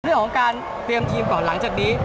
เรื่องของการเตรียมทีมก่อนหลังจากนี้